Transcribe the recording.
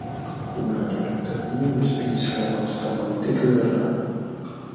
Urania, tuttavia, respinse le avance romantiche del re.